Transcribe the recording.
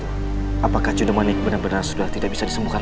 bu sangkai ini harus berada di tak ada tempat